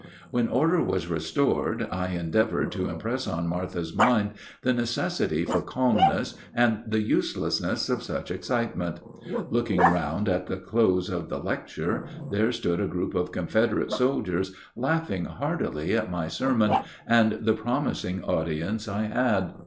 When order was restored I endeavored to impress on Martha's mind the necessity for calmness and the uselessness of such excitement. Looking round at the close of the lecture, there stood a group of Confederate soldiers laughing heartily at my sermon and the promising audience I had.